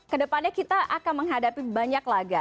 kedepannya kita akan menghadapi banyak laga